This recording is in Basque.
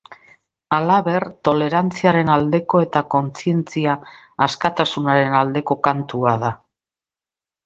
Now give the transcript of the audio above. Halaber, tolerantziaren aldeko eta kontzientzia askatasunaren aldeko kantua da.